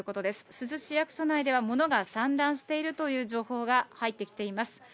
珠洲市役所内では物が散乱しているという情報が入ってきています。